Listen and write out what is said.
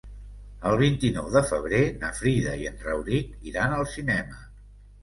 El vint-i-nou de febrer na Frida i en Rauric iran al cinema.